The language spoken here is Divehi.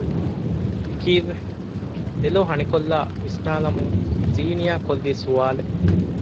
އެކީއްވެ؟ ދެލޯ ހަނިކޮއްލާ ވިސްނާލަމުން ޒީނިޔާ ކޮއްލީ ސުވާލެއް